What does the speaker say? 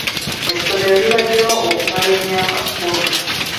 Essomero libaddewo okumala emyaka kkumi.